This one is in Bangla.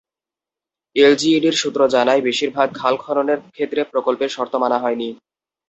এলজিইডির সূত্র জানায়, বেশির ভাগ খাল খননের ক্ষেত্রে প্রকল্পের শর্ত মানা হয়নি।